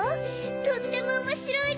とってもおもしろいの！